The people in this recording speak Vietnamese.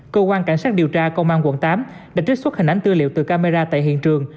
cơ quan cảnh sát điều tra công an quận tám đã trích xuất hình ảnh tư liệu từ camera tại hiện trường